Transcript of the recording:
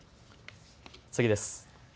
次です。